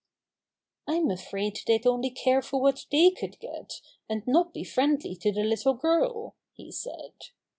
"I'm afraid they'd only care for v^hat they could get, and not be friendly to the little girl," he said.